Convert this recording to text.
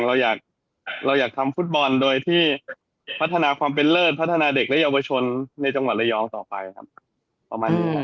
เราอยากทำฟุตบอลโดยที่พัฒนาความเป็นเลิศพัฒนาเด็กและเยาวชนในจังหวัดระยองต่อไปครับ